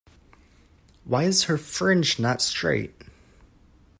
Why is her fringe not straight?